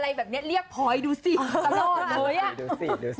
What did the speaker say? อะไรแบบเนี้ยเรียกพอยดูสิสลดดูสิดูสิดูสิ